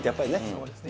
そうですね。